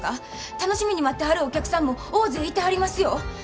楽しみに待ってはるお客さんも大勢いてはりますよ。